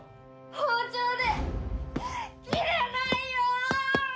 包丁で切れないよっ！